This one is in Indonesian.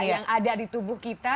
yang ada di tubuh kita